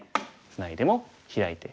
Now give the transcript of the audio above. ツナいでもヒラいて。